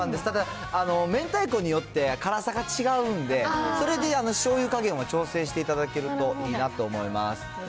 ただ、めんたいこによって辛さが違うんで、それでしょうゆ加減は、調整していただけるといいなと思います。